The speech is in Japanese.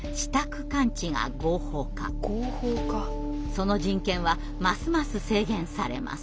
その人権はますます制限されます。